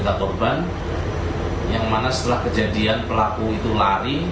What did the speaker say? kedua di mana setelah kejadian pelaku itu lari